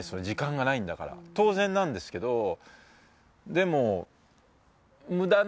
時間がないんだから当然なんですけど。